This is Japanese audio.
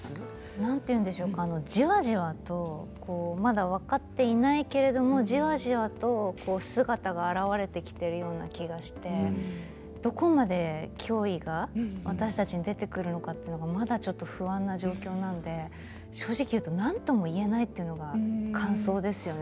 何ていうんでしょうかじわじわとまだ分かっていないけれどもじわじわと姿が現れてきているような気がしてどこまで脅威が私たちに出てくるのかというのがまだちょっと不安な状況なので正直言うと何とも言えないというのが感想ですよね。